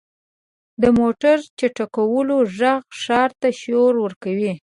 • د موټر چټکولو ږغ ښار ته شور ورکوي.